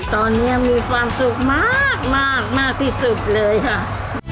ตอนนี้มีความสุขมากมากที่สุดเลยค่ะ